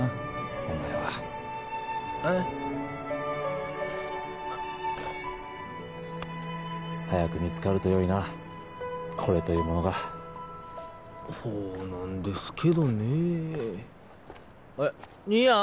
お前はあん？早く見つかるとよいなコレというものがほうなんですけどねええッ兄やん